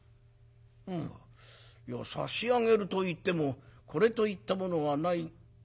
「うん。いや差し上げるといってもこれといったものはない。